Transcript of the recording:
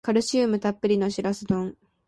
カルシウムたっぷりのシラス丼